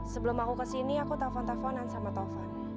sebelum aku kesini aku telfon tefonan sama taufan